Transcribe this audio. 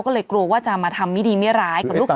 ก็เลยกลัวว่าจะมาทำมิดีไม่ร้ายกับลูก